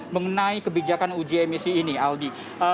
mengenai kebijakan uji emisi ini aldi